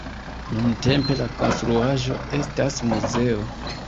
Nuntempe la konstruaĵo estas muzeo.